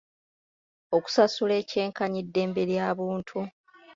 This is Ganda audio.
Okusasula ekyenkanyi ddembe lya buntu?